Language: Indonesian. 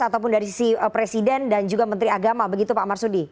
ataupun dari sisi presiden dan juga menteri agama begitu pak marsudi